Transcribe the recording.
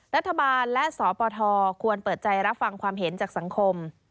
รัฐบาลและสปทควรเปิดใจรับฟังความเห็นจากสังคม